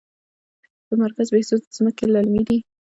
د مرکز بهسود ځمکې للمي دي